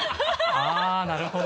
あぁなるほど。